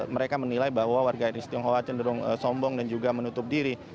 mereka menilai bahwa warga etnis tionghoa cenderung sombong dan juga menutup diri